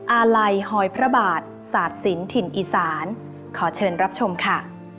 อาลัยหอยพระบาทศาสตร์ศิลป์ถิ่นอีสานขอเชิญรับชมค่ะ